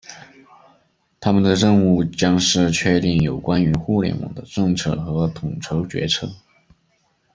他们的任务将是确定有关于互联网的政策和统筹决策。